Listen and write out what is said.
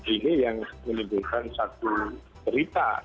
ini yang menimbulkan satu cerita